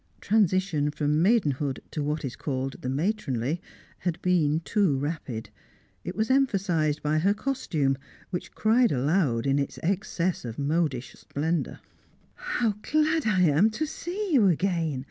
Transition from maidenhood to what is called the matronly had been too rapid; it was emphasised by her costume, which cried aloud in its excess of modish splendour. "How glad I am to see you again!"